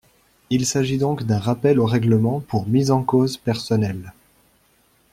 Il s’agit donc d’un rappel au règlement pour mise en cause personnelle.